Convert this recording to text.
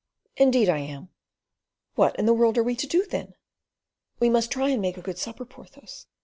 "Indeed I am." "What in the world are we to do, then?" "We must try and make a good supper, Porthos.